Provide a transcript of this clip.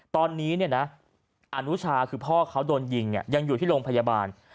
ตอนนี้อนุชาคือพ่อเขาโดนยิงยังอยู่ที่โรงพยาบาล